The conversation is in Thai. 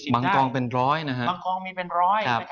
มันบางกองมีเป็นร้อยครับ